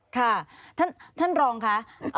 ค่ะท่านรองค่ะ